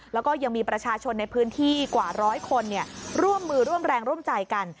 แล้วก็ยังมีประชาชนในพื้นที่กว่าร้อยคนร่วมมือร่วมแรงร่วมใจกัน